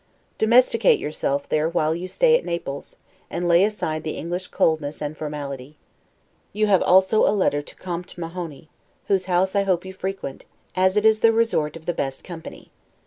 Domesticate yourself there while you stay at Naples, and lay aside the English coldness and formality. You have also a letter to Comte Mahony, whose house I hope you frequent, as it is the resort of the best company.